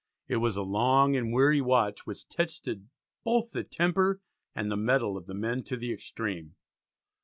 It was a long and weary watch which tested both the temper and the mettle of the men to the extreme.